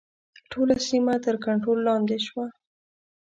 ټوله سیمه تر کنټرول لاندې شوه.